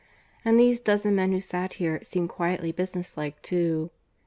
And these dozen men who sat here seemed quietly business like too.